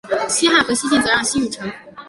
两汉和西晋则让西域臣服。